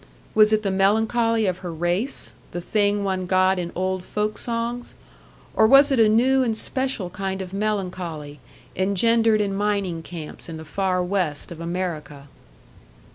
Was it the melancholy of her race, the thing one got in old folk songs? Or was it a new and special kind of melancholy, engendered in mining camps in the far West of America?